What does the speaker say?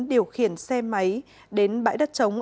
điều khiển xe máy đến bãi đất chống